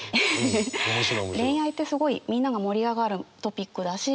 恋愛ってすごいみんなが盛り上がるトピックだし